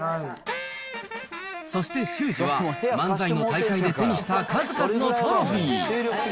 そして、修士は漫才の大会で手にした数々のトロフィー。